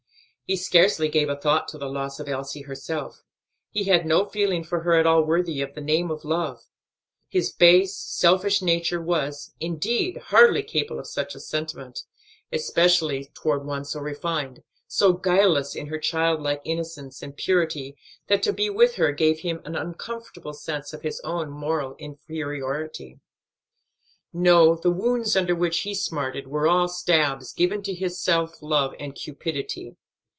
He scarcely gave a thought to the loss of Elsie herself: he had no feeling for her at all worthy of the name of love; his base, selfish nature was, indeed, hardly capable of such a sentiment; especially toward one so refined, so guileless in her childlike innocence and purity that to be with her gave him an uncomfortable sense of his own moral inferiority. No, the wounds under which he smarted were all stabs given to his self love and cupidity.